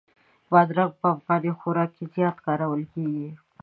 بادرنګ په افغاني خوراک کې زیات کارول کېږي.